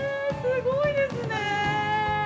すごいですね！